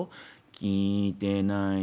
聞いてないわよ。